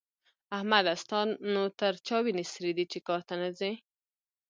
احمده! ستا نو تر چا وينې سرې دي چې کار ته نه ځې؟